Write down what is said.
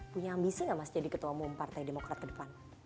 punya ambisi nggak mas jadi ketua umum partai demokrat ke depan